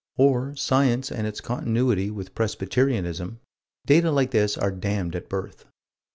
Or Science and its continuity with Presbyterianism data like this are damned at birth.